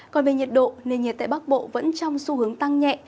còn về nhiệt độ nền nhiệt tại bắc bộ vẫn trong xu hướng tăng nhẹ